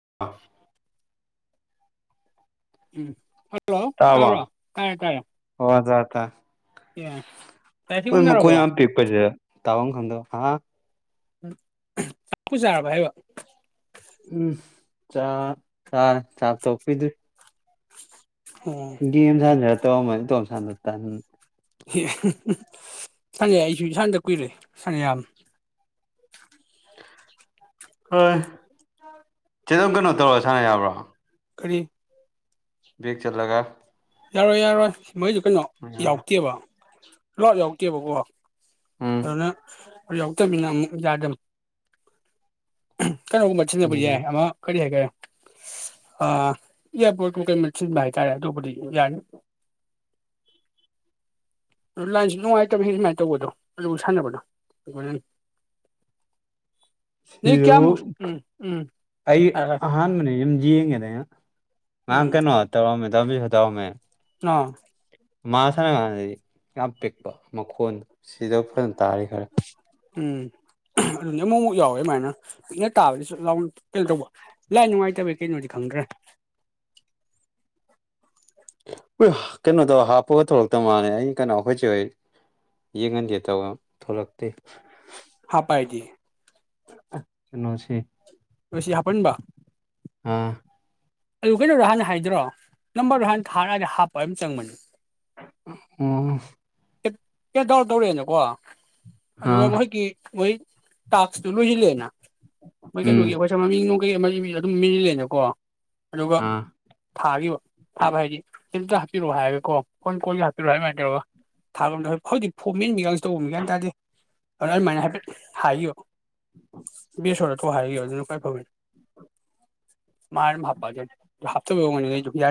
[inaudible] ꯎꯝ hello ꯇꯥ꯭ꯔꯣ ꯇꯥꯔꯕꯣ ꯀꯥꯏꯔꯦ ꯀꯥꯏꯔꯦ ꯑꯦ ꯂꯥꯏꯁꯤꯡ ꯃꯣꯏ ꯃꯈꯣꯟ ꯎꯅꯔꯕꯣ ꯌꯥꯝ ꯄꯤꯛꯄꯖꯦ ꯇꯥꯥꯕꯝ ꯈꯪꯗ ꯑ ꯑ ꯎ ꯆꯥꯛꯄꯨ ꯆꯥꯔꯕ ꯍꯥꯏꯕ ꯆ ꯆꯥ ꯆꯥꯛ ꯇꯣꯛ ꯀꯨꯏꯗꯔꯤ ꯑꯣ ꯒꯦꯝ ꯁꯥꯟꯖꯔ ꯇ ꯃ ꯇꯣ ꯁꯥꯟꯅ ꯇꯟ ꯁꯪꯉꯦ ꯑꯩꯁꯨ ꯏꯁꯥꯥꯟꯗ ꯀꯨꯏꯔꯦ ꯁꯉꯦ ꯌꯥꯝ ꯍꯣꯏ ꯆꯦ ꯑꯗꯨꯪ ꯀꯩꯅꯣ ꯇꯧꯔ ꯁꯥꯟꯅ ꯌꯥꯕ꯭ꯔꯣ ꯀꯔꯤ ꯕꯦꯛ ꯆꯠꯂꯒ ꯌꯥꯔꯣꯏ ꯌꯥꯔꯣꯏ ꯃꯩꯁꯨ ꯀꯩꯅꯣ ꯎꯝ ꯌꯥꯎꯇꯦꯕ ꯂꯥꯎꯠ ꯌꯥꯎꯇꯦꯕꯀꯣ ꯑꯗꯨꯅ ꯌꯥꯎꯗꯕꯤꯅ ꯑꯃꯨꯛ ꯌꯥꯗꯕ ꯀꯩꯅꯣꯒꯨꯝꯕ ꯁꯤꯟꯅꯕꯨ ꯎꯝ ꯌꯥꯏ ꯑꯃ ꯀꯔꯤ ꯍꯥꯏꯒꯦ [inaudible] ꯑ ꯌꯥ ꯄꯨ ꯇ ꯀꯥꯏ ꯇꯥꯔꯦ ꯇ ꯌꯥ ꯎ ꯑꯗꯨ ꯂꯥꯏꯟꯁꯨ ꯅꯨꯡꯉꯥꯏꯇꯕ ꯑꯗꯨꯃꯥꯏꯅ ꯇꯧꯕꯗꯣ ꯑꯗꯨ ꯁꯥꯟꯅꯕꯗꯣ ꯑꯩꯈꯣꯏꯅ ꯁꯤ ꯀꯌꯥꯃꯨꯛ ꯎꯝ ꯎꯝ ꯑꯩ ꯍꯥꯏꯔꯣ ꯍꯥꯏꯔꯣ ꯑꯍꯥꯟ ꯃꯅꯤ ꯌꯦꯡꯉꯦꯗ ꯉꯥꯡ ꯎꯝ ꯀꯩꯅꯣ ꯇꯧꯔꯝꯃꯦ ꯇꯧꯕꯤꯁꯨ ꯇꯧꯔꯝꯃꯦ ꯑ ꯃꯥ ꯁꯥꯟꯅ ꯀꯥꯟꯗꯗꯤ ꯌꯥꯝ ꯄꯤꯛꯄ ꯃꯈꯣꯟ ꯁꯤꯗ ꯐꯖꯅ ꯇꯥꯔꯤ ꯈꯔꯦ ꯎꯝ ꯑꯗꯨꯅ ꯑꯃꯨꯛ ꯑꯃꯨꯛ ꯌꯥꯎꯋꯦ ꯑꯗꯨꯃꯥꯏꯅ ꯄꯤꯛꯅ ꯇꯥꯕꯗꯁꯨ ꯂꯥꯎ ꯀꯩꯅꯣ ꯇꯧꯕ ꯂꯥꯏ ꯅꯨꯡꯉꯥꯏꯇꯕꯩ ꯀꯩꯅꯣꯗꯤ ꯈꯪꯗ꯭ꯔꯥ ꯍ [inaudible] ꯍꯣꯏ ꯀꯩꯅꯣꯗꯣ ꯍꯥꯞꯄꯒ ꯊꯣꯛꯂꯛꯇ ꯃꯥꯜꯂꯦ ꯑꯩ ꯀꯩꯅꯣ ꯑꯩꯈꯣꯏꯁꯦ ꯌꯦꯡꯍꯟꯗꯦ ꯇꯧ ꯊꯣꯛꯂꯛꯇꯦ ꯍꯥ ꯄꯥꯏꯗꯤ ꯀꯩꯅꯣꯁꯤ ꯑꯩ ꯍꯥꯄꯟꯕ ꯑꯥ ꯑꯗꯨ ꯀꯩꯅꯣꯗꯣ ꯍꯥꯟꯅ ꯍꯥꯏꯗ꯭ꯔꯣ ꯅꯝꯕꯔꯗꯣ ꯍꯥꯟ ꯊꯥꯔꯗ ꯍꯥꯞꯄ ꯑꯗꯨꯝ ꯆꯪꯕꯅꯤ ꯑ ꯀꯦꯗꯥꯎꯔ ꯇꯧꯔꯛꯦꯅꯀꯣ ꯑꯗꯨꯒ ꯑꯥ ꯃꯈꯣꯏꯒꯤ ꯃꯣꯏ ꯇꯥꯛꯁꯇꯨ ꯂꯣꯏꯁꯤꯜꯂꯦꯅ ꯃꯣꯏ ꯎꯝ ꯀꯩꯅꯣꯒꯤ ꯑꯩꯣꯏꯁ ꯃꯃꯤꯡꯅꯨꯡ ꯀꯩ ꯑꯃꯒꯤ ꯃꯤ ꯑꯗꯨꯝ ꯃꯤꯁꯤꯂꯦꯅꯀꯣ ꯑꯗꯨꯒ ꯑꯥ ꯊꯥꯈꯤꯕ ꯊꯥꯕ ꯍꯥꯏꯗꯤ ꯍꯝꯇ ꯍꯥꯞꯄꯤꯔꯛꯑꯣ ꯍꯥꯏꯔꯦꯀꯣ ꯐꯣꯟ ꯀꯣꯟꯜꯒ ꯍꯥꯄꯤꯔꯑꯣ ꯍꯥꯏ ꯑꯗꯨꯃꯥꯏꯅ ꯇꯧꯔꯒ ꯊꯥꯕꯝꯗꯣꯏ ꯍꯧꯖꯤꯛ ꯐ ꯃꯦꯟ ꯃꯤꯒꯁꯨ ꯇꯧꯕꯝꯃꯤ ꯀꯥꯏꯅ ꯇꯥꯗꯦ ꯑꯗꯨ ꯃꯅꯤ ꯍꯥꯏ ꯍꯥꯏꯌꯣ ꯕꯤꯁꯣꯔꯠꯇꯣ ꯍꯥꯏꯒꯦ ꯑꯗꯨꯅ ꯀꯥꯏ ꯐ ꯃꯥꯅ ꯍꯥꯐꯇ ꯌꯥ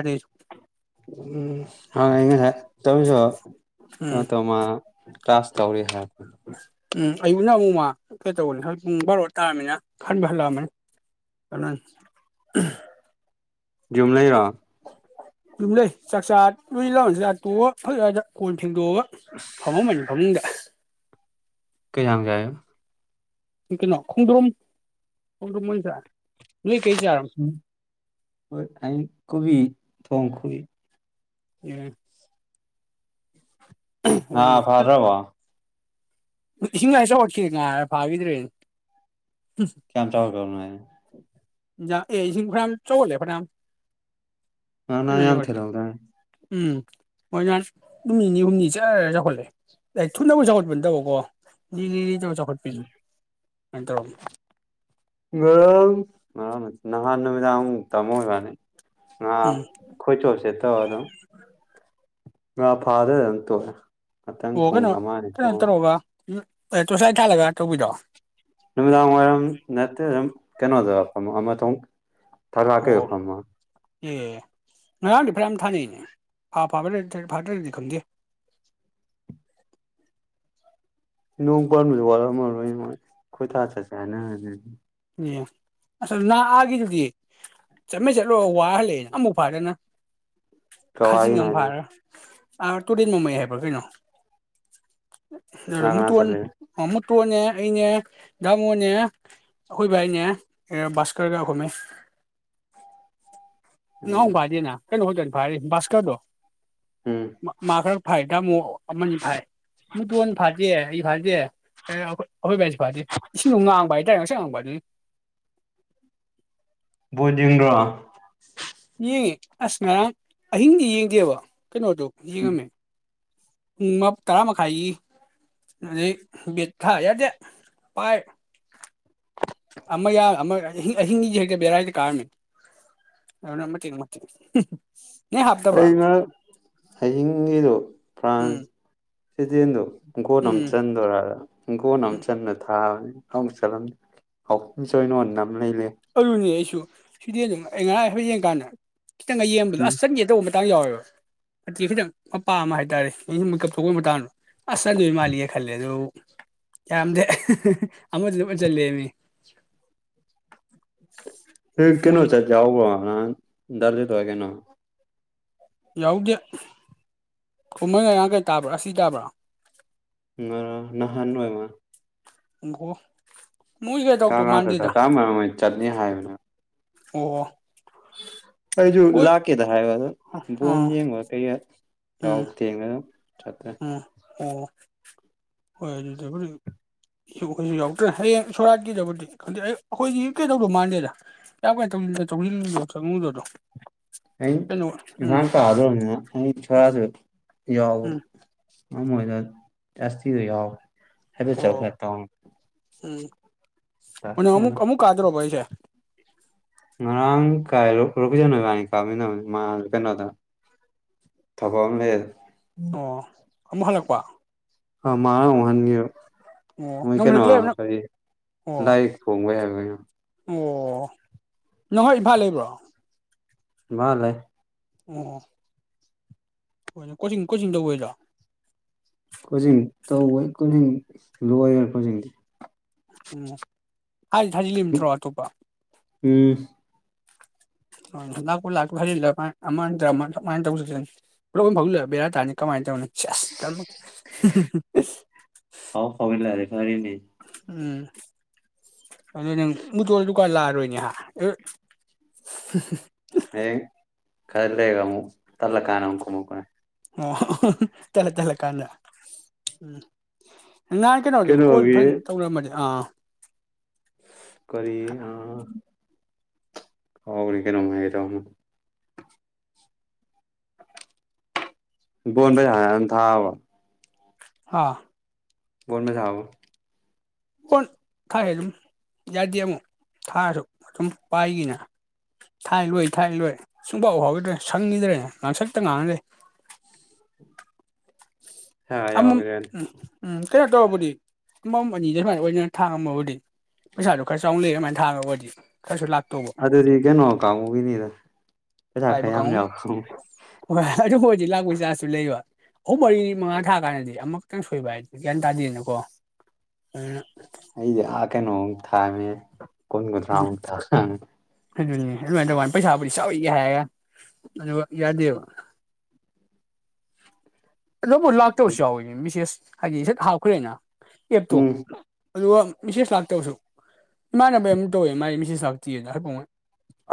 ꯎꯝ ꯇ ꯃꯥ ꯀ꯭ꯂ ꯀ꯭ꯂꯥꯁ ꯇꯧꯔꯤ ꯍꯥꯏꯔ ꯎꯝ ꯑꯌꯨꯛꯅ ꯑꯃꯨꯛ ꯃꯥ ꯀꯩ ꯇꯧꯕꯅꯤ ꯄꯨꯡ ꯕꯥꯔꯣ ꯇꯥꯔꯃꯤꯅ ꯈꯟꯕ ꯍꯜꯂꯛꯑꯕꯅꯤ ꯀꯩꯅ ꯨꯝ ꯂꯩ ꯔꯥꯛ ꯌꯨꯝ ꯂꯩ ꯆꯥꯛꯆꯥ ꯂꯣꯏ ꯂꯥꯎꯁꯤ ꯇꯣꯛ ꯐ ꯐꯣꯟ ꯍꯦꯡꯗꯣꯛꯑꯒ ꯐꯝꯃ ꯑꯃꯅꯤꯅꯤ ꯐꯃꯨꯡꯗ ꯀꯩꯖꯥꯡ ꯆꯑꯒ ꯀꯩꯅꯣ ꯈꯣꯡꯗ꯭ꯔꯣꯨꯝ ꯈꯣꯡꯗ꯭ꯔꯣꯨꯝ ꯃꯁ ꯑꯩ ꯈꯕꯤ ꯊꯣꯡ ꯈ ꯑꯦ ꯍꯥꯥ ꯐꯥꯔꯕ ꯍꯁ ꯑꯣꯠꯈꯤ ꯉ ꯐꯥꯕꯤꯗ꯭ꯔꯦ ꯀꯌꯥꯝ ꯇ꯭ꯔꯕꯦꯜ ꯀꯅ ꯍꯥꯏ ꯑꯦ ꯏꯁꯤꯡ ꯐꯅꯌꯥꯝ ꯆ ꯂꯩꯦ ꯐꯅ ꯌꯥꯝ ꯑꯅ ꯌꯥ ꯊꯔ꯭ꯔꯦ ꯎꯝ ꯃꯣꯏꯅ ꯅꯨꯃꯤꯠ ꯅꯤ ꯍꯨꯝꯅꯤ ꯆꯠꯂ ꯆꯥꯎꯈꯠꯂꯦ ꯊꯨꯅꯕꯕꯨ ꯆꯥꯎꯈꯠꯄ ꯅꯠꯇꯧꯕꯀꯣ ꯇ ꯆꯥꯎꯈꯠꯄꯤꯌꯨ ꯁꯃꯥꯏꯅ ꯇꯧꯔꯝꯃꯤ ꯃꯔꯔꯝ ꯃꯔꯔꯝ ꯅꯍꯥꯟ ꯅꯨꯃꯤꯗꯥꯨ ꯇꯃꯣꯏ ꯋꯥꯅꯤ ꯑ ꯎꯝ ꯈꯣꯆꯣꯁꯦ ꯇ ꯑꯗꯨꯣ ꯉ ꯐꯥꯗ ꯇꯣ ꯑꯣ ꯀꯩꯅꯣ ꯀꯩꯅꯣ ꯇꯧꯔꯒ ꯇꯣꯁꯥꯏ ꯊꯥꯜꯂꯒ ꯇꯧꯕꯤꯔꯛꯣꯑꯣ ꯅꯨꯃꯤꯗꯥꯡ ꯋꯥꯏꯔꯝ ꯅꯠꯇꯦ ꯑꯗꯨꯝ ꯀꯩꯅꯣꯗ ꯑꯃꯇ ꯊꯔ ꯀꯦ ꯑꯣ ꯌꯄꯃ ꯑꯦ ꯉꯔꯥꯡꯗꯤ ꯐꯔ ꯌꯥꯝ ꯊꯥꯅꯩꯅꯦ ꯐꯥ ꯐꯥꯕ ꯐꯥꯗ꯭ꯔꯗꯤ ꯈꯪꯗꯦ [unintelligible] ꯅꯣꯡ ꯋꯥ ꯋꯥꯔꯣꯏ ꯊꯥ ꯎ ꯑ ꯅ ꯑꯒꯦꯗꯨꯗꯤ ꯆꯠꯃꯦꯩ ꯆꯠꯂꯣ ꯋꯥ ꯍꯜꯂꯛꯑꯦꯅ ꯑꯃꯨꯛ ꯐꯥꯗꯅ ꯈꯥꯖꯤꯡ ꯀꯋꯥꯏꯒꯤꯅꯣ ꯑꯃ ꯍꯥꯏꯁꯦ ꯐꯥꯔ ꯑꯥ ꯇꯨꯔꯦꯟ ꯃꯃꯩ ꯍꯥꯏꯕ꯭ꯔꯥ ꯀꯩꯅꯣ ꯀꯅꯥ ꯀꯅꯥ ꯃꯨꯇꯣꯟ ꯆꯠꯂꯤꯕ ꯐꯇꯣꯅꯦ ꯑꯩꯅꯦ ꯗꯥꯃꯣꯅꯦ ꯑꯩꯈꯣꯏ ꯚꯥꯏꯅꯦ ꯁꯀꯔꯒꯈꯃꯦ ꯅ ꯎꯝ ꯥꯏꯗꯤꯅ ꯀꯩꯅꯣ ꯍꯗꯣꯏꯅꯤ ꯥꯏ ꯕꯥꯁꯀꯔꯗꯨꯣ ꯍꯝ ꯃꯥ ꯈꯔ ꯐꯥꯏꯗ ꯑꯃꯨꯛ ꯑꯃꯅꯤ ꯐꯥꯏ ꯃꯨꯇꯣꯟ ꯐꯥꯗꯦ ꯑꯩ ꯐꯥꯗꯦ ꯑꯩꯣꯏ ꯑꯩꯈꯣꯏ ꯕꯥꯏꯁꯤ ꯐꯥꯗꯦ ꯏꯁꯤꯡ ꯉꯥꯡꯕ ꯍꯥꯏꯇꯥꯔꯦ ꯉꯁꯪꯣ ꯗꯤ ꯄꯨꯗꯤ꯭ꯔꯣ ꯌꯦꯡꯉꯦ ꯑꯁ ꯉꯔꯥꯡ ꯑꯍꯤꯡꯗꯤ ꯌꯦꯡꯗꯦꯕ ꯀꯩꯅꯣꯗꯨꯣ ꯌꯦꯡꯉꯝꯃꯦ ꯎꯝ ꯇꯔꯥ ꯃꯈꯥꯏ ꯊꯥ ꯏꯗꯤ ꯄꯥꯏ ꯑꯃ ꯌꯥ ꯑꯃ ꯑꯍꯤꯡꯁꯤ ꯍꯛꯇ ꯕꯦꯔꯥꯗꯤ ꯀꯥꯔꯅꯤ ꯑ ꯅꯃꯇꯦꯡ ꯃꯥꯦ ꯑꯩ ꯉ ꯑꯍꯤꯡꯒꯤꯗꯨꯣ ꯎꯝ ꯐ꯭ꯔꯥꯟꯁ ꯁꯤꯗꯦꯟꯗꯣ ꯒꯣꯅ ꯑꯃꯝ ꯎꯝ ꯆꯟꯗꯣꯏꯔꯥ ꯒꯣꯅ ꯑꯃꯝ ꯎꯝ ꯆꯟꯗ ꯊꯥꯕꯅꯤ ꯍꯪ ꯁꯔꯝꯁꯨꯣꯏꯅꯣ ꯑꯗꯨꯂꯨꯅꯦ ꯑꯩꯁꯨ ꯁꯤꯗꯤ ꯑꯗꯨꯝ ꯑꯩ ꯉꯐ ꯌꯦꯡꯀꯥꯟꯗ ꯈꯤꯇꯪꯒ ꯌꯦꯡꯕꯗꯣ ꯎꯝ ꯑꯁ ꯆꯪꯒꯦ ꯇꯧꯕ ꯍꯇꯥꯡ ꯌꯥꯎꯋꯦꯕ ꯐꯇꯦ ꯈꯤꯇꯪ ꯃꯄꯥ ꯑꯃ ꯍꯥꯏꯇꯥꯔꯦ ꯃꯤꯨꯝ ꯀꯞꯊꯣꯛꯄꯒꯤ ꯃꯇꯥꯡꯗꯣ ꯑꯁ ꯑꯗꯨ ꯃꯥꯜꯂꯤꯌꯦ ꯈꯜꯂꯦ ꯑꯗꯨ ꯀꯗ ꯑ ꯆꯃꯤ [inaudible] ꯍ ꯀꯩꯅꯣ ꯃꯣꯏ ꯆꯖꯎꯕ ꯗꯔꯖꯤ ꯇ ꯀꯩꯅꯣ ꯌꯥꯎꯗꯦ ꯀꯨꯝꯃꯍꯩ ꯉꯔꯥꯡ ꯀꯩ ꯇꯥꯕ꯭ꯔꯥ ꯑꯁꯤ ꯇꯥꯕ꯭ꯔꯥ ꯎ ꯅꯍꯥꯟꯃ ꯎꯕꯨ ꯀ ꯉꯥ ꯆ ꯆꯥ ꯃꯔꯝꯣꯏ ꯆꯠꯅꯤ ꯍꯥꯏꯕꯅ ꯑꯣ ꯎꯝ ꯑꯩꯁꯨ ꯍꯣꯏ ꯂꯥꯛꯀꯦꯗ ꯍꯥꯏꯕꯗ ꯕꯣꯟ ꯑꯥ ꯌꯦꯡꯕ ꯀꯩ ꯎꯝ ꯌꯥꯎꯕ ꯊꯦꯡꯉꯦꯗ ꯆꯠꯇ ꯎꯝ ꯑꯣ ꯍꯣꯏ ꯑꯗꯨ ꯑꯗꯨꯗꯤ ꯐ ꯑꯩꯈꯣꯏꯁꯨ ꯌꯥꯎꯗ꯭ꯔꯦ ꯍꯌꯦꯡ ꯁꯣꯔꯥꯠꯀꯤꯗꯕꯨꯗꯤ ꯈꯪꯗꯦ ꯑꯩꯈꯣꯏꯗꯤ ꯀꯩꯗꯧꯗꯧ ꯃꯥꯟꯗꯦꯗ ꯌꯥꯝ ꯀꯅ ꯇꯧ ꯆꯪꯁꯤꯟꯗꯣ ꯆꯪꯉꯨꯗꯗꯣ ꯑ ꯏꯐꯥꯡ ꯇꯥꯗꯧꯅꯤꯅ ꯑꯩ ꯊꯔꯁꯨ ꯌꯥꯎꯕꯗ ꯎꯝ ꯑ ꯑꯣꯏꯣꯏꯗ ꯥꯁꯤ ꯏ ꯌꯥꯎ ꯍꯕ ꯑꯣ ꯆꯧ ꯐꯦ ꯀ ꯎꯝ ꯑꯣ ꯅꯪ ꯑꯃꯨꯛ ꯇꯇꯗ ꯑꯃꯨꯛ ꯀꯥꯗꯣꯔꯕ ꯑꯩꯁꯦ ꯉꯔꯥꯡ ꯀꯥꯏꯨꯁꯅꯣꯕꯥꯅꯤ ꯀꯥꯞꯃꯤꯟꯅꯕ ꯀꯩꯅꯣꯗ ꯊꯕꯛꯃꯦ ꯑꯣ ꯑꯃꯨꯛ ꯍꯜꯂꯛꯄ ꯃꯥ ꯎꯡꯍꯟꯕꯤꯌꯨ ꯑꯣ ꯃꯣꯏ ꯅꯪ ꯀꯩꯅꯣ ꯍꯦꯛ ꯂꯩꯔ ꯍꯥꯏꯗꯤ ꯑꯣ ꯂꯥꯏꯔꯤꯛ ꯐꯣꯡꯕꯩ ꯍꯥꯏꯕ ꯑꯣ ꯅꯪ ꯍꯣꯏ ꯏꯝꯐꯥꯜ ꯂꯩꯕ꯭ꯔꯣ ꯃꯥ ꯂꯩꯦ ꯑꯣ ꯍꯣꯏꯅꯦ ꯀꯣꯆꯤꯡ ꯀꯣꯆꯤꯡ ꯇ ꯑꯣꯏꯣꯏꯗ꯭ꯔꯣ ꯀꯣꯆꯤꯡ ꯇꯧꯋꯣꯏ ꯀꯣꯆꯤꯡ ꯂꯣꯏꯔꯣꯏ ꯀꯣꯆꯤꯡꯗꯤ ꯎꯝ ꯍꯥꯏꯗꯤ ꯊꯥꯖꯤꯜꯂꯤꯝꯇ꯭ꯔꯣ ꯑꯇꯣꯞꯄ ꯎꯝ ꯐꯕꯦꯔ ꯇꯅꯤ ꯀꯃꯥꯏꯅ ꯇꯧꯅꯤ ꯆꯁ ꯀ ꯁꯔꯗꯤ ꯎꯝ ꯑꯗꯨ ꯋꯥ ꯀꯂꯥꯔꯣꯏꯅꯤ ꯍꯥ ꯑꯦ ꯈ ꯂꯩꯦꯒ ꯑꯃꯨ ꯇꯜꯂ ꯀꯅꯨ ꯀꯨꯃ ꯀ ꯑꯣ ꯇꯂ ꯇꯂ ꯀꯥꯟꯗ ꯎꯝ ꯉꯍꯥꯟ ꯀꯩꯅꯣꯗꯣ ꯀꯣꯜꯗꯨ ꯀꯩꯅꯣꯒꯤ ꯐꯖꯅ ꯇꯧꯔꯝꯃꯗꯤ ꯑꯥ ꯀꯔꯤ ꯑ ꯍꯧꯒꯅꯃꯥꯏꯥꯏꯗꯅ ꯕꯣꯟꯕꯩ ꯍꯥꯏꯅ ꯊꯥꯕ ꯑꯥ ꯣꯅ ꯆꯕ ꯑꯣ ꯀ ꯌꯥꯗꯤ ꯑꯃꯣ ꯊꯥꯔ ꯑꯗꯨꯝ ꯄꯥꯏꯒꯤꯅ ꯊꯥꯏ ꯂꯣꯏ ꯊꯥꯏ ꯂꯣꯏ ꯁꯨꯡꯐꯥꯎ ꯍꯧꯥꯎꯗ꯭ꯔꯦ ꯁꯪꯈꯤꯗ꯭ꯔꯦ ꯉꯥꯡꯁꯛꯇ ꯉꯥꯡꯅꯗꯦ ꯍ ꯑꯃꯃꯝ ꯌꯥꯎꯒ ꯎꯝ ꯎꯝ ꯀꯩꯅꯣ ꯇꯧꯔꯕꯨꯗꯤ ꯑꯃꯃꯝ ꯑꯅꯤꯗ ꯁꯨꯃꯥꯏꯅ ꯑꯣꯏꯅꯅ ꯊꯥꯡꯉꯝꯃꯕꯨꯗꯤ ꯄꯩꯁꯥꯗꯨꯣ ꯈꯔ ꯆꯥꯎꯅ ꯂꯩꯩ ꯑꯗꯨꯃꯥꯏꯅ ꯊꯥꯡꯉꯒꯗꯤ ꯈꯔꯁꯨ ꯂꯥꯛꯦ ꯑꯗꯨꯗꯤ ꯀꯩꯅꯣ ꯀꯥꯡꯕꯨꯒꯤꯅꯤꯗ ꯄꯩꯁꯥ ꯈ ꯄꯥꯏꯕ ꯌꯥꯝ ꯌꯥꯎꯋ ꯀꯥꯡꯃꯕꯨ ꯂꯥ ꯄꯩꯁꯥ ꯑꯁ ꯂꯩ ꯋꯥ ꯑꯍꯨꯝ ꯃꯔꯤ ꯃꯉꯥ ꯊꯥ ꯀꯥꯟꯗꯗꯤ ꯑꯃꯈꯛꯇꯪ ꯁꯣꯏꯕ ꯍꯥꯏ ꯒ꯭ꯌꯥꯟ ꯇꯥꯗꯦꯗꯅꯀꯣ ꯑꯗꯨꯅ ꯑꯩꯗꯤꯦ ꯀꯦꯩꯅꯣ ꯎ ꯊꯃꯦ ꯀꯣꯟ ꯀꯣꯟ꯭ꯔꯥ ꯊ ꯑꯗꯨꯅꯦ ꯑꯗꯨꯃꯥꯏꯅ ꯇꯧꯃꯥꯏꯅ ꯄꯩꯁꯥꯕꯨꯗꯤ ꯆꯥꯎꯋꯒꯦ ꯍꯥꯏꯔꯒ ꯑꯗꯨꯒ ꯌꯥꯗꯦꯕ [unintelligible] ꯑꯗꯨꯕꯨ ꯂꯥꯛꯇꯕꯁꯨ ꯌꯥꯎꯋꯤꯅꯦ ꯃꯤꯁꯦꯁ ꯍꯥꯏꯗꯤ ꯁꯠ ꯍꯥꯞꯈ꯭ꯔꯦꯅ ꯑꯦꯞꯇꯣ ꯎꯝ ꯑꯗꯨꯒ ꯃꯤꯁꯦꯁ ꯂꯥꯛꯇꯕꯁꯨ ꯏꯃꯥꯟꯅꯕꯩ ꯑꯃ ꯇꯧꯋꯦ ꯃꯥꯥꯏ ꯃꯤꯁꯦꯁ ꯂꯥꯛꯇꯦꯅ ꯍꯥꯏꯐꯥꯎꯉꯣꯏ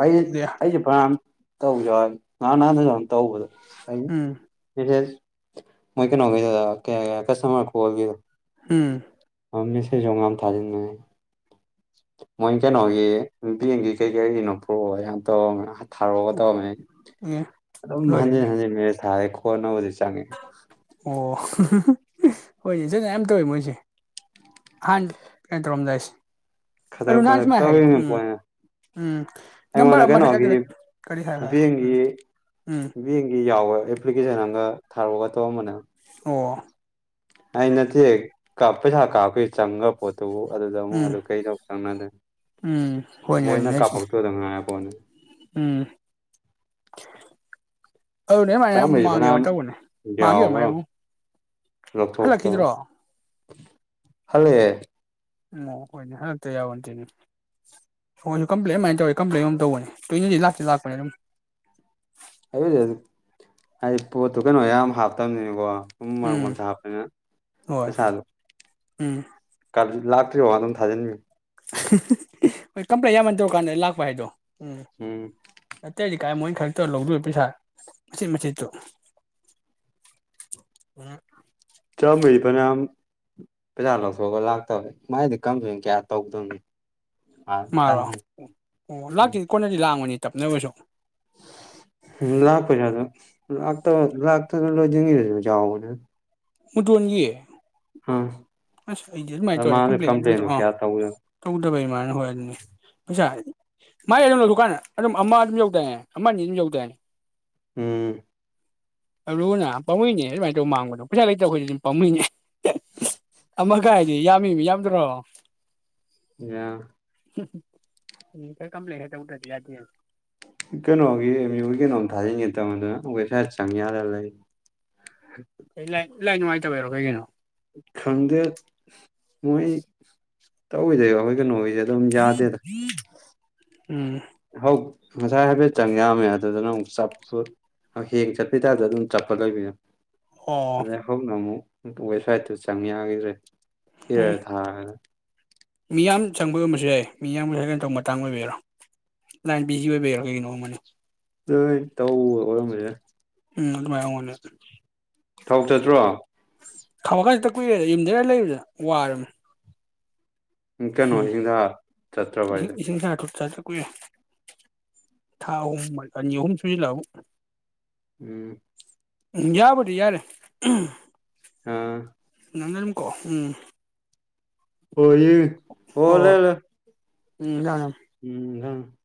ꯑꯩ ꯑꯩꯁꯦ ꯐꯔꯌꯥꯝ ꯇꯧꯁꯨ ꯉꯍꯥꯟ ꯅꯍꯥꯟꯗꯁꯨ ꯇꯧꯕꯗꯣ ꯑꯩ ꯎꯝ ꯁꯤꯁꯦꯁ ꯃꯣꯏ ꯀꯩꯅꯣꯒ ꯀꯁꯔ ꯎꯝ ꯃꯦꯁꯦꯖ ꯍ ꯉ ꯊꯥꯖꯤꯟꯅꯩ ꯃꯣꯏ ꯀꯩꯅꯣꯒꯤ ꯍꯕꯦꯡꯒꯤ ꯀꯩ ꯀꯔꯤꯒꯤꯅꯣ ꯄ꯭ꯔꯣꯑꯣ ꯑꯥꯟ ꯇꯧꯔ ꯊꯥꯔꯛꯑꯒ ꯇꯧꯔꯝꯃꯦ ꯑꯦ ꯑꯗꯨꯝ ꯍꯟꯖꯤꯟ ꯂꯣꯏꯔꯦꯃꯤ ꯍꯟꯖꯤꯟ ꯃꯦ ꯊꯥꯔꯦ ꯈꯣꯠꯅꯕꯗꯤ ꯆꯪꯉꯦ [unintelligible] ꯑꯣ ꯍꯣꯏꯅꯦ ꯏꯆꯅ ꯌꯥꯝ ꯇꯧꯋꯦ ꯃꯣꯏꯁꯦ ꯍꯥꯟ ꯀꯇ ꯔꯝꯖꯥꯏꯁꯤ ꯈꯗ꯭ꯔꯛ ꯑꯂꯨ ꯅꯟ ꯁ ꯈꯗ꯭ꯔꯛ ꯃꯥ ꯍꯥꯏ ꯇꯧꯔꯤꯅꯤ ꯎꯝ ꯄꯣꯠꯅꯤ ꯎꯝ ꯅꯝꯕꯝꯕꯔ ꯑꯩꯉꯣꯟꯗ ꯀꯩꯅꯣꯒꯤ ꯑꯃ ꯀꯔꯤ ꯁꯔ ꯕꯦꯡꯒꯤ ꯕꯦꯡꯒꯤ ꯌꯥꯎꯕ ꯑꯦꯄ꯭ꯂꯤꯀꯦꯁꯟ ꯑꯃꯒ ꯊꯥꯔꯛꯒ ꯇꯧꯑꯝꯕꯅꯦ ꯑꯣ ꯑ ꯅ ꯀ ꯄꯩꯁꯥ ꯀꯥ ꯀ ꯆꯪꯒ ꯄꯣ ꯑꯗꯨꯕꯨ ꯑꯗꯨꯗ ꯑꯃꯨꯛ ꯎꯝ ꯑꯗꯨ ꯀꯩꯗꯧ ꯆꯪꯅꯗꯦ ꯎꯝ ꯍꯣꯏꯅꯦ ꯃꯣꯏꯅ ꯑꯗꯨꯅꯦ ꯍꯥꯏꯁꯦ ꯀꯥꯞꯄꯣꯛꯛꯇꯨꯗ ꯉꯥꯏ ꯐꯣꯟꯣꯟ ꯎꯝ ꯑꯗꯨꯅꯦ ꯃꯥꯏꯅ ꯆꯥꯝꯃꯩꯗꯤ ꯃꯥꯡꯒꯦꯕ ꯐꯅꯌꯥꯝ ꯇꯧꯕꯅꯦ ꯃꯥꯡꯈꯤꯕꯦꯕ ꯃꯥꯏꯕꯨꯡ ꯂꯧꯊꯛꯇꯕ ꯍꯂꯦ ꯑꯣ ꯍꯣꯏꯅꯦ ꯍꯟꯗꯛꯇ ꯌꯥꯎꯔꯟꯗꯦꯅꯦ ꯍꯣꯏꯁꯨ ꯀꯝꯄ꯭ꯂꯦꯟ ꯑꯗꯨꯃꯥꯏꯅ ꯇꯧꯋꯦ ꯀꯝꯄ꯭ꯂꯦꯟ ꯑꯃꯝ ꯇꯧꯕꯅꯦ ꯇꯨꯅꯗꯤ ꯂꯥꯛꯇ ꯂꯥꯛꯄꯅꯦ ꯑꯗꯨꯝ ꯑꯗꯨꯗꯤ ꯍꯥꯏꯗꯤ ꯄꯣꯠꯇꯨ ꯀꯩꯅꯣ ꯌꯥꯝ ꯍꯥꯞꯇꯕꯅꯤꯅꯤꯀꯣ ꯎ ꯃꯔ ꯎꯝ ꯃꯔ ꯊꯄꯅꯤ ꯍꯣꯏ ꯄꯩ ꯆꯥꯗ ꯎꯝ ꯂꯥꯛꯇ꯭ꯔꯤ ꯋꯥꯗ ꯑꯗꯨꯝ ꯊꯥꯖꯤꯟꯕꯤꯌꯨ ꯍꯣꯏ ꯀꯝꯄ꯭ꯂꯦꯟ ꯌꯥꯝꯃꯅ ꯇꯧꯔꯀꯥꯟꯗ ꯂꯥꯛꯄ ꯍꯥꯏꯗꯣ ꯎꯝ ꯀꯥꯏ ꯃꯣꯏꯅ ꯈꯔꯛꯇꯧ ꯂꯧꯗꯣꯏ ꯄꯩꯁꯥ ꯃꯆꯤꯠ ꯃꯆꯤꯠꯇꯨ ꯎ ꯆ ꯃꯔꯤꯄꯅ ꯌꯥꯝ ꯄꯩꯁꯥ ꯂꯧꯊꯣꯛꯑꯒ ꯂꯥꯛꯇꯧꯋꯦ ꯃꯥꯏꯗꯤ ꯀꯝꯊꯅ ꯀꯌꯥ ꯇꯧꯗꯣꯏꯅꯤ ꯃꯥꯔꯣ ꯑꯣ ꯑꯣ ꯂꯥꯛꯇꯗꯤ ꯀꯣꯟꯅꯗꯤ ꯂꯥꯡꯕꯅꯤ ꯇꯞꯅꯕꯁꯨ ꯝ ꯂꯥꯛꯄꯖ ꯑꯗꯨ ꯂꯥꯛ ꯂꯥꯛ ꯂꯣꯏ ꯆꯋꯥ ꯃ ꯃꯨꯇꯟꯒꯤꯌꯦ ꯑꯥ ꯑꯁ ꯑꯩꯗꯤ ꯑꯗꯨꯃꯥꯏꯅ ꯇꯧꯔꯦ ꯃꯥꯅ ꯀꯝꯄ꯭ꯂꯦꯟ ꯑꯗꯨꯗ ꯀꯝꯄ꯭ꯂꯦꯟꯗꯣ ꯑꯥ ꯀꯌꯥ ꯇꯧꯗ ꯇꯧꯗꯕꯩꯃꯥꯏꯅ ꯍꯣꯏ ꯑꯗꯨꯅꯤ ꯄꯩꯁꯥ ꯃꯥꯏ ꯑꯗꯨꯝ ꯂꯧꯗꯨꯀꯥꯟꯗ ꯑꯗꯨꯝ ꯑꯃ ꯑꯗꯨꯝ ꯌꯧꯗꯅꯦ ꯑꯃ ꯑꯅꯤ ꯑꯗꯨꯝ ꯌꯧꯗꯏꯅꯦ ꯎꯝ ꯑꯨꯅ ꯄꯥꯝꯃꯣꯏꯅꯦ ꯑꯗꯨꯃꯥꯏꯅ ꯇꯧ ꯃꯥꯡꯕꯗꯣ ꯄꯩꯁꯥ ꯂꯩꯇꯕ ꯑꯩꯈꯣꯏꯁꯨ ꯑꯗꯨꯝ ꯄꯥꯃꯨꯣꯏꯅꯦ ꯑꯃ ꯀꯥꯏꯗꯤ ꯌꯥꯝꯃꯤꯕ ꯌꯥꯝꯗ꯭ꯔꯣ ꯌꯥ ꯎꯝ ꯈ ꯀꯝꯄ꯭ꯂ ꯍꯥꯏꯦ ꯎ ꯌꯥ ꯀꯩꯅꯣꯒꯤ ꯑꯦꯝ ꯌꯨꯕꯒꯤ ꯀꯩꯅꯣꯝ ꯊꯥꯖꯤꯟꯒꯦ ꯇꯕ ꯑꯗꯨꯅ ꯋꯦꯕꯁꯥꯏꯠ ꯆꯪꯒꯦ ꯌꯥꯗꯅ ꯂꯩ ꯍ ꯀ ꯂꯥꯏ ꯏꯥꯏ ꯅꯨꯡꯉꯥꯏꯇꯕꯔꯣ ꯀꯩꯒꯤꯅꯣ ꯈꯪꯗꯦ ꯃꯣꯏ ꯇꯧꯋꯤꯗꯣꯏꯕ ꯑꯩꯈꯣꯏ ꯀꯩꯅꯣ ꯑꯣꯏ ꯎꯝ ꯍ ꯉꯁꯥꯏ ꯍꯥꯏꯐꯦꯠ ꯆꯪ ꯌꯥꯝꯃꯦ ꯑꯗꯨꯗꯅ ꯑꯃꯨꯛ ꯆꯞꯄꯨ ꯍꯌꯦꯡ ꯆꯠꯄꯤ ꯇꯔꯗ ꯑꯗꯨꯝ ꯆꯠꯄ ꯂꯩꯕꯅ ꯑꯣ ꯑꯗꯩ ꯍꯧꯅ ꯑꯃꯨꯛ ꯋꯦꯕꯁꯥꯏꯠꯇꯨ ꯆꯪ ꯌꯥꯈꯤꯗ꯭ꯔꯦ ꯍꯔ ꯊꯥꯅ ꯃꯤꯌꯥꯝ ꯆꯪꯕ ꯑꯣꯏꯝꯕꯁꯨ ꯌꯥꯏ ꯃꯤꯌꯥꯝꯒꯤꯁꯨ ꯍꯥꯏꯒꯅ ꯇꯧꯕ ꯃꯇꯥꯡ ꯑꯣꯏꯕꯤꯔꯣ ꯂꯥꯏꯟ ꯕꯤꯖꯤ ꯑꯣꯏꯕꯩꯔꯣ ꯀꯩꯒꯤꯅꯣꯃꯅꯦ ꯂꯣꯏ ꯇꯧꯕ ꯑꯣꯏꯔꯝꯃꯤꯁꯦ ꯎꯝ ꯑꯗꯨꯃꯥꯏꯅꯦ ꯊꯥꯎ ꯆꯠꯇ꯭ꯔꯣ ꯊꯕꯛꯀꯥꯟꯁꯤꯦꯛꯇ ꯀꯨꯏꯔꯦ ꯌꯨꯝꯗꯔ ꯂꯩꯕꯗ ꯋꯥꯔꯅꯤ ꯀꯩꯅꯣ ꯏꯪꯊꯥ ꯆꯠꯇ꯭ꯔꯕ ꯍꯥꯏꯁꯦ ꯎꯝꯁꯤꯡ ꯑ ꯆ ꯆ ꯀꯨꯏꯦ ꯊꯥ ꯑꯍꯨꯝ ꯑꯅꯤ ꯑꯍꯨꯝ ꯁꯨꯁꯤꯜꯂ ꯑꯃꯛ ꯌꯥꯕꯗꯤ ꯌꯥꯔꯦ ꯑꯥ ꯀꯣ ꯎꯝ ꯍꯣꯏ ꯍ ꯍꯣꯏ ꯍꯣꯏ ꯂꯩ ꯎꯝ ꯎꯝ ꯍꯝ